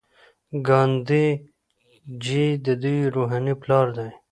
ګاندي جی د دوی روحاني پلار دی.